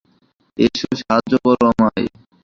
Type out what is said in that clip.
এসো, সাহায্য করো আমায়।